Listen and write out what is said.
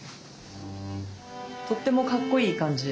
とってもかっこいい感じ。